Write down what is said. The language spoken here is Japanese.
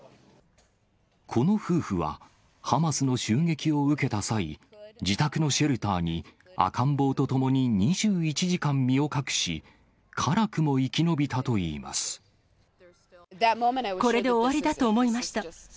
この夫婦は、ハマスの襲撃を受けた際、自宅のシェルターに赤ん坊と共に２１時間身を隠し、これで終わりだと思いました。